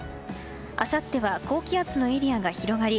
あさっては高気圧のエリアが広がり